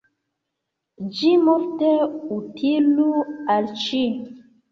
Ĝi multe utilu al ci!